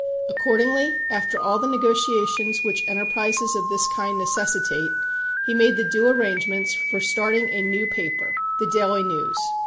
Accordingly, after all the negotiations which enterprises of this kind necessitate, he made the due arrangements for starting a new paper, The Daily News.